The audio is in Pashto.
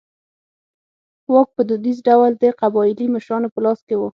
واک په دودیز ډول د قبایلي مشرانو په لاس کې و.